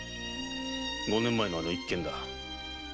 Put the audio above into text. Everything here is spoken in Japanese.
五年前のあの事件だ。